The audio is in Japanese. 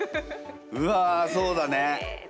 うわそうだね。